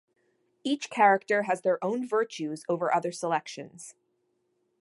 Each character has their own virtues over other selections.